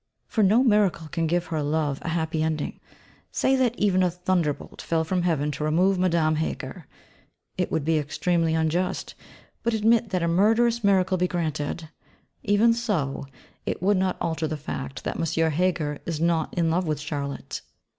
For no miracle can give her love a happy ending; say that even a thunderbolt fell from heaven to remove Madame Heger, it would be extremely unjust but admit that a murderous miracle be granted even so, it would not alter the fact that M. Heger is not in love with Charlotte.